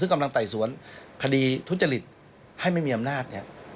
ซึ่งกำลังไต่สวนคดีทุจริตให้ไม่มีอำนาจเนี่ย